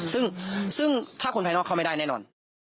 ซึ่งถ้าคนภายนอกเข้าไม่ได้แน่นอน